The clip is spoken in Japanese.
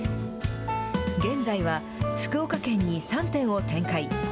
現在は福岡県に３店を展開。